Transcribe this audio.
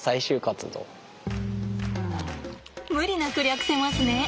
無理なく略せますね。